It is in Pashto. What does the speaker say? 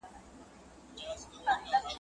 o يوه د خوارۍ ژړله، بل ئې د خولې پېښې کولې.